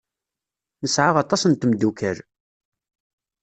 Nesɛa aṭas n tmeddukal.